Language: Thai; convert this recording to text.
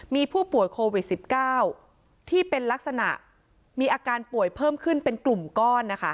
มีผู้ป่วยโควิด๑๙ที่เป็นลักษณะมีอาการป่วยเพิ่มขึ้นเป็นกลุ่มก้อนนะคะ